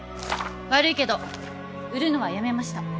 悪いけど売るのはやめました。